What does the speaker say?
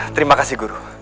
terima kasih guru